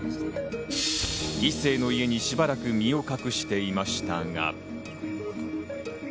一星の家にしばらく身を隠していましたが。